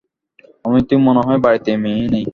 আমার তো মনে হয় বাড়িতে মেয়েই নেই।